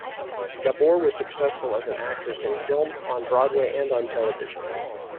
Gabor was successful as an actress in film, on Broadway and on television.